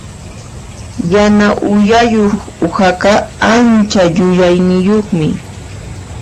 Yana uyayuq uhaqa ancha yuyayniyuqmi.